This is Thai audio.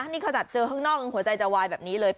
นี่ขนาดเจอข้างนอกยังหัวใจจะวายแบบนี้เลย